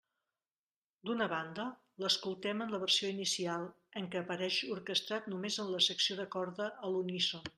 D'una banda, l'escoltem en la versió inicial, en què apareix orquestrat només en la secció de corda a l'uníson.